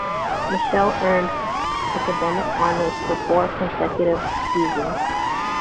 Mitchell earned academic honors for four consecutive seasons.